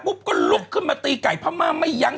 ก็ลุกขึ้นมาตีไก่พม่าไม่ยั้ง